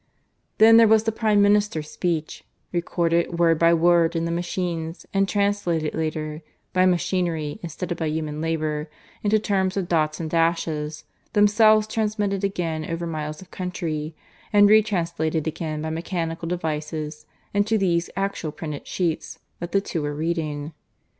Then there was the Prime Minister's speech, recorded word by word in the machines, and translated later, by machinery instead of by human labour, into terms of dots and dashes, themselves transmitted again over miles of country, and retranslated again by mechanical devices into these actual printed sheets that the two were reading.